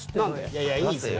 いやいやいいんですよ。